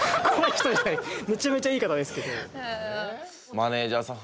マネージャーさん